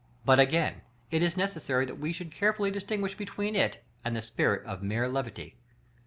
But again: it is necessary that we should carefully distinguish between it and the spirit of mere levity.